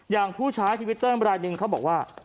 อย่างผู้ใช้ทวิตเตอร์รายหนึ่งเขาบอกว่า